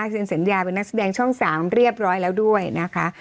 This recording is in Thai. เซ็นสัญญาเป็นนักแสดงช่อง๓เรียบร้อยแล้วด้วยนะคะ